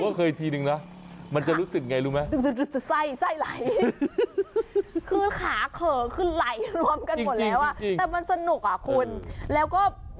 ว่าเคยทีนึงมันจะรู้สึกไงรู้ไหมอืมไม่หรือส่ายเลย